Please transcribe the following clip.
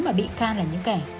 mà bị khan là những kẻ